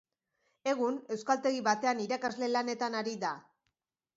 Egun euskaltegi batean irakasle lanetan ari da.